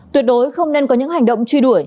tuyệt đối không nên có những hành động truy đuổi